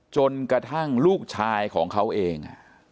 จนกระทั่งลูกชายของเขาเอง